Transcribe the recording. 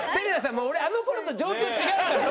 もう俺あの頃と状況違うから。